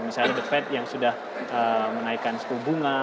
misalnya deped yang sudah menaikkan suku bunga